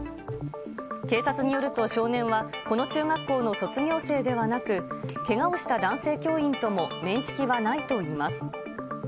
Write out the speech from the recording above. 警察によると、少年はこの中学校の卒業生ではなく、けがをした男性教員とも面識はないといいます。